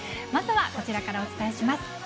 まずはこちらからお伝えします。